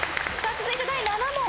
続いて第７問。